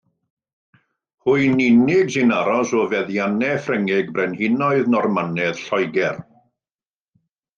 Hwy'n unig sy'n aros o feddiannau Ffrengig brenhinoedd Normanaidd Lloegr.